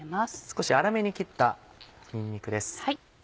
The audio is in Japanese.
少し粗めに切ったにんにくです。